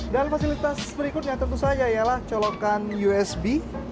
dan fasilitas berikutnya tentu saja yalah colokan usb